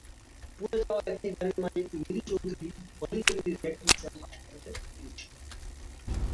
পুড়ে যাওয়া একটি গাড়ির মালিক Mili Chowdhury holy family red crescent হাসপাতালের চিকিৎসক।